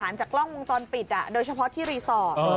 จากกล้องวงจรปิดโดยเฉพาะที่รีสอร์ท